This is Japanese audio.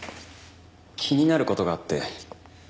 気になる事があって。